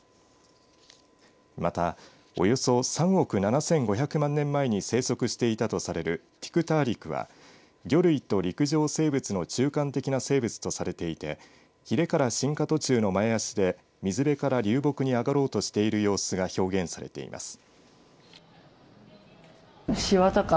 またおよそ３億７５００万年前に生息していたとされるティクターリクは魚類と陸上生物の中間的な性別とされていてひれから進化途中の前足で水辺から流木に上がろうとしている様子が表現されています。